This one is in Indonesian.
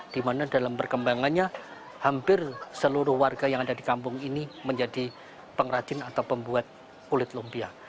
di mana dalam perkembangannya hampir seluruh warga yang ada di kampung ini menjadi pengrajin atau pembuat kulit lumpia